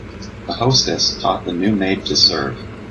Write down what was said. The hostess taught the new maid to serve.